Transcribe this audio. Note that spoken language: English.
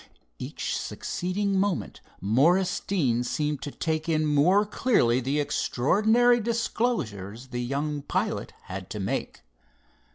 Each succeeding moment Morris Deane seemed to take in more clearly the extraordinary disclosures the young pilot had to make.